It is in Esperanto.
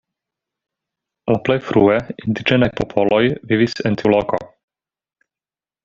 La plej frue indiĝenaj popoloj vivis en tiu loko.